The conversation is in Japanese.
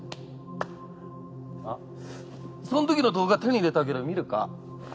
あっそんときの動画手に入れたけど見るか？